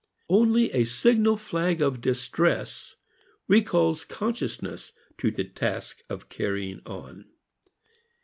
Only a signal flag of distress recalls consciousness to the task of carrying on.